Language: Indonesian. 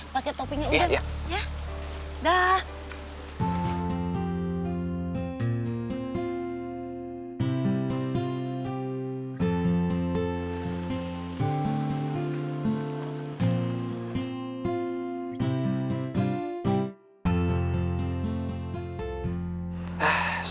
pakai topinya udah ya